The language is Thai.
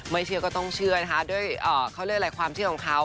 เชื่อก็ต้องเชื่อนะคะด้วยเขาเรียกอะไรความเชื่อของเขา